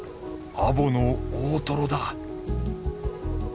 アボの大トロだ。